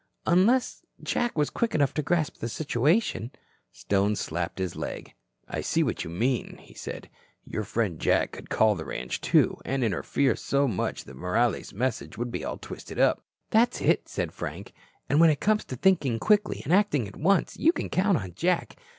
"Unless Jack was quick enough to grasp the situation." Stone slapped his leg. "I see what you mean," he said. "Your friend Jack could call the ranch, too, and interfere so much that Morales' message would be all twisted up." "That's it," said Frank. "And when it comes to thinking quickly and acting at once, you can count on Jack.